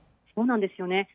そうなんですよね。